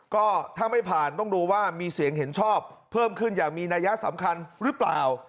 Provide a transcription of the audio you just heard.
ก็ถ้าไม่ผ่านต้องดูว่ามีเสียงเห็นชอบเพิ่มขึ้นอย่างมีนัยสำคัญหรือเปล่า